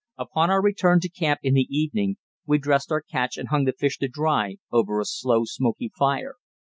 Upon our return to camp in the evening we dressed our catch and hung the fish to dry over a slow, smoky fire.